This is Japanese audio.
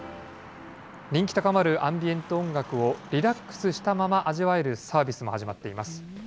人気高まるアンビエント音楽をリラックスしたまま、味わえるサービスも始まっています。